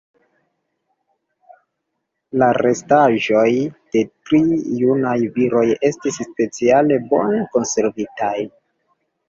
La restaĵoj de tri junaj viroj estis speciale bone konservitaj.